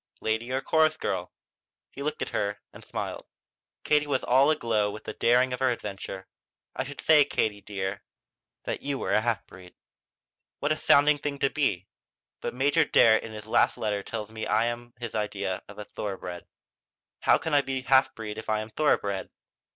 "Lady or chorus girl?" He looked at her and smiled. Katie was all aglow with the daring of her adventure. "I should say, Katie dear, that you were a half breed." "What a sounding thing to be! But Major Darrett in his last letter tells me I am his idea of a thoroughbred. How can I be a half breed if I'm a thoroughbred?"